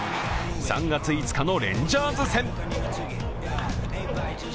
３月５日のレンジャーズ戦。